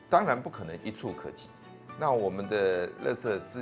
tidak mungkin bisa diberikan secara satu